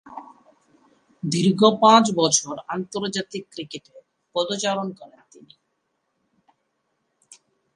দীর্ঘ পাঁচ বছর আন্তর্জাতিক ক্রিকেটে পদচারণা করেন তিনি।